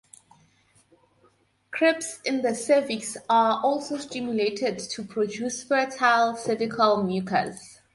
Crypts in the cervix are also stimulated to produce fertile cervical mucus.